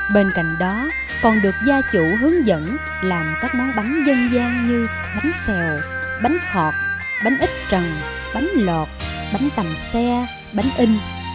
bên cạnh đó còn được gia chủ hướng dẫn làm các món bánh dân gian như bánh xèo bánh cọp bánh ít trần bánh lọt bánh tầm xe bánh in